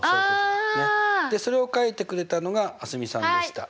それを書いてくれたのが蒼澄さんでした。